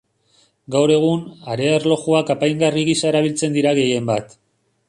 Gaur egun, harea-erlojuak apaingarri gisa erabiltzen dira gehien bat.